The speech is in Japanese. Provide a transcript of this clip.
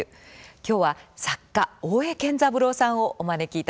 今日は作家大江健三郎さんをお招きいたしました。